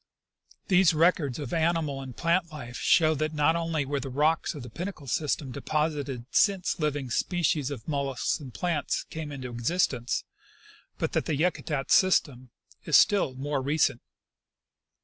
These records of animal and plant life show that not only were the rocks of the Pinnacle sys tem deposited since living species of moUusks and plants came into existence, but that the Yakutat system is still more recent.